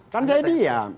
kan saya diam